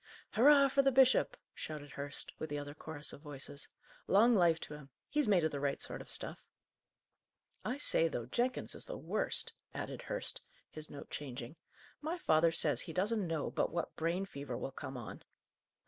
"Hurrah for the bishop!" shouted Hurst, with the other chorus of voices. "Long life to him! He's made of the right sort of stuff! I say, though, Jenkins is the worst," added Hurst, his note changing. "My father says he doesn't know but what brain fever will come on."